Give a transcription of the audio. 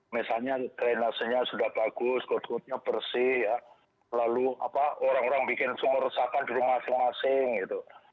misalnya drainasenya sudah bagus god goodnya bersih lalu orang orang bikin sumur resapan di rumah masing masing gitu